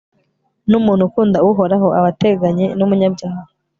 n'umuntu ukunda uhoraho aba ateganye n'umunyabyaha